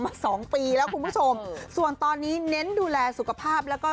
สองปีแล้วคุณผู้ชมส่วนตอนนี้เน้นดูแลสุขภาพแล้วก็